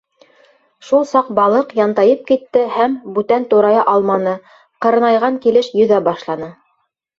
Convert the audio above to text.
Шул саҡ балыҡ янтайып китте һәм бүтән турая алманы, ҡырынайған килеш йөҙә башланы.